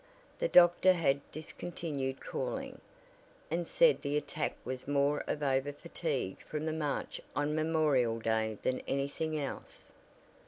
The doctor had discontinued calling, and said the attack was more of overfatigue from the march on Memorial Day than anything else.